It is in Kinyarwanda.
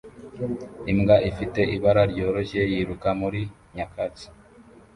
Imbwa ifite ibara ryoroshye yiruka muri nyakatsi